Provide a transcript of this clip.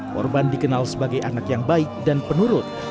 korban dikenal sebagai anak yang baik dan penurut